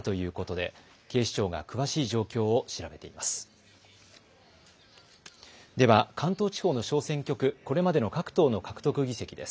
では関東地方の小選挙区、これまでの各党の獲得議席です。